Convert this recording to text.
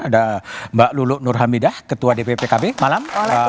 ada mbak luluk nurhamidah ketua dppkb malam